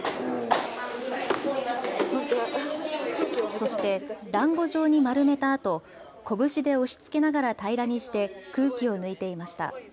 そして、だんご状に丸めたあと、拳で押しつけながら平らにして空気を抜いていました。